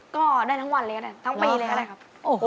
ก็ได้ทั้งวันเลยก็ได้ทั้งปีแล้วนะครับ